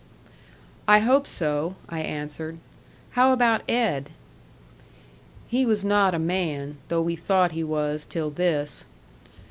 "I hope so," I answered. "How about Ed?" "He was not a man, though we thought he was till this.